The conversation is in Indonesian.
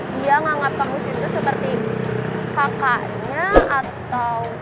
dia nganggap kangus itu seperti kakaknya atau